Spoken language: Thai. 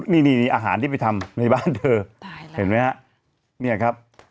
นี่อาหารที่ไปทำในบ้านเธอเห็นไหมฮะเนี่ยครับ